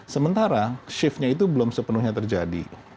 sementara shiftnya itu belum sepenuhnya terjadi